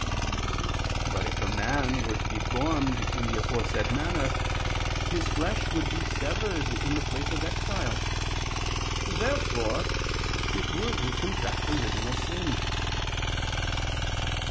But if a man were to be formed in the aforesaid manner, his flesh would be severed in the place of exile. Therefore it would contract original sin.